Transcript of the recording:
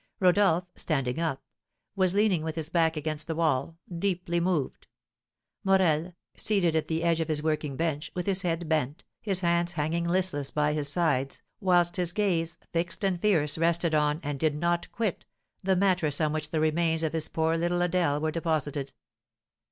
Rodolph, standing up, was leaning with his back against the wall, deeply moved. Morel, seated at the edge of his working bench, with his head bent, his hands hanging listless by his sides, whilst his gaze, fixed and fierce, rested on, and did not quit, the mattress on which the remains of his poor little Adèle were deposited.